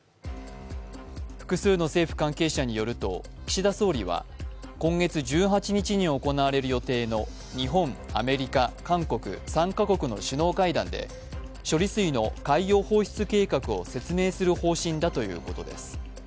複数の政府関係者によると、岸田総理は今月１８日に行われる予定の日本、アメリカ、韓国３か国の首脳会談で、処理水の海洋放出計画を説明する方針だということです。